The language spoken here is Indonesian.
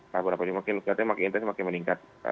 sejauh ini makin intensif makin meningkat